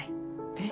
えっ？